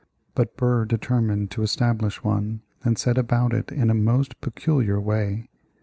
But Burr determined to establish one, and set about it in a most peculiar way.